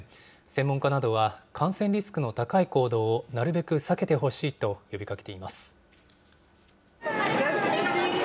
専門家などは、感染リスクの高い行動をなるべく避けてほしいと呼びかけています。